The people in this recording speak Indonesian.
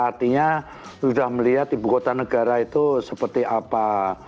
artinya sudah melihat ibu kota negara itu seperti apa